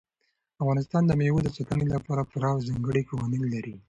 افغانستان د مېوو د ساتنې لپاره پوره او ځانګړي قوانین لري.